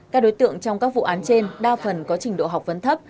các đối tượng trong các vụ án trên đa phần có trình độ học vấn thấp